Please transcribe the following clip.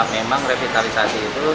memang revitalisasi itu